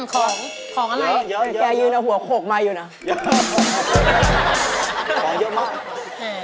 ของของอะไรเหมือนแกยืนหัวโขกมาอยู่นะหล่ะ